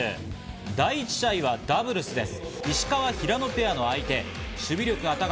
第一試合はダブルスです。